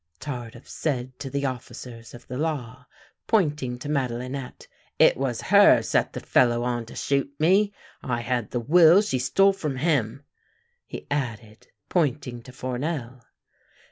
" Tardif said to the officers of the law, pointing to Madelinette. " It was her set the fellow on to shoot me. I had the will she stole from himl " he added, pointing to Fournel.